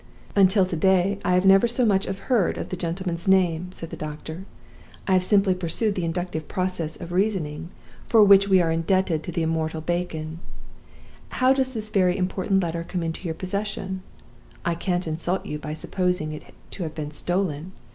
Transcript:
"'Until to day I never so much as heard of the gentleman's name,' said the doctor. 'I have simply pursued the inductive process of reasoning, for which we are indebted to the immortal Bacon. How does this very important letter come into your possession? I can't insult you by supposing it to have been stolen.